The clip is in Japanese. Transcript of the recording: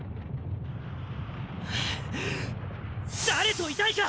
誰といたいか！